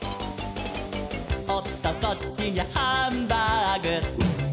「おっとこっちにゃハンバーグ」